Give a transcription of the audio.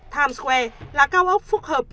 times square là cao ốc phúc hợp